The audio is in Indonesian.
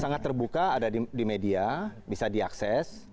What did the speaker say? sangat terbuka ada di media bisa diakses